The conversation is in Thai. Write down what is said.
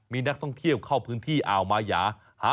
มีนักท่องเที่ยวเข้าพื้นที่อ่าวมายา